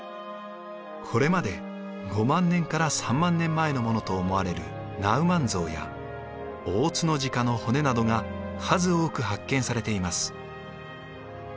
これまで５万年から３万年前のものと思われるナウマンゾウやオオツノジカの骨などが数多く発見されています。